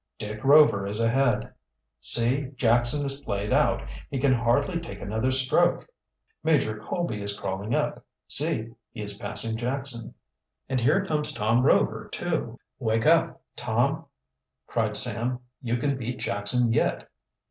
"Dick Rover is ahead!" "See, Jackson is played out! He can hardly take another stroke!" "Major Colby is crawling up! See, he is passing Jackson!" "And here comes Tom Rover, too." "Wake up, Tom!" cried Sam. "You can beat Jackson yet!"